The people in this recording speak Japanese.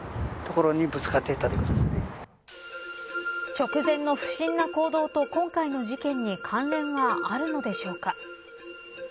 直前の不審な行動と今回の事件に関連はあるのでしょうか。